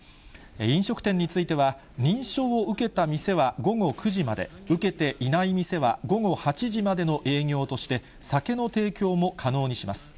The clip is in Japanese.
飲食店については、認証を受けた店は午後９時まで、受けていない店は午後８時までの営業として、酒の提供も可能にします。